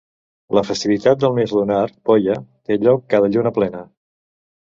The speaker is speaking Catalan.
La festivitat del mes lunar "poya" té lloc cada lluna plena.